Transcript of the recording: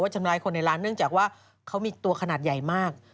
ทำร้ายคนในร้านเนื่องจากว่าเขามีตัวขนาดใหญ่มาก